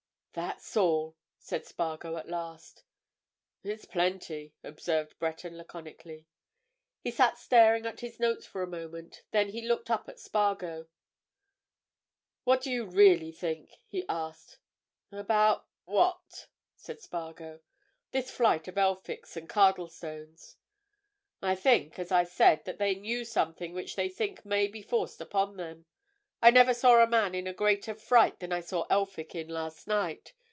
"That's all," said Spargo at last. "It's plenty," observed Breton laconically. He sat staring at his notes for a moment; then he looked up at Spargo. "What do you really think?" he asked. "About—what?" said Spargo. "This flight of Elphick's and Cardlestone's." "I think, as I said, that they knew something which they think may be forced upon them. I never saw a man in a greater fright than that I saw Elphick in last night.